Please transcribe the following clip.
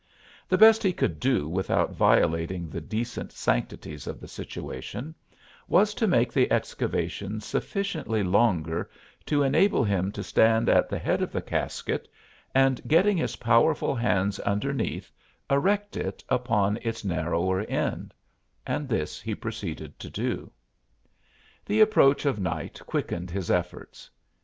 The best he could do without violating the decent sanctities of the situation was to make the excavation sufficiently longer to enable him to stand at the head of the casket and getting his powerful hands underneath erect it upon its narrower end; and this he proceeded to do. The approach of night quickened his efforts.